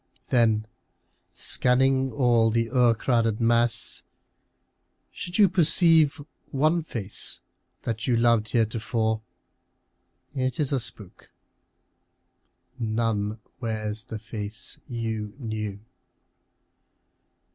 Then, scanning all the o'ercrowded mass, should you Perceive one face that you loved heretofore, It is a spook. None wears the face you knew.